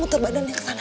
muter badannya ke sana